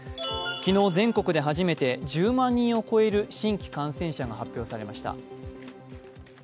昨日全国で初めて１０万人を超える新規感染者が発表されました。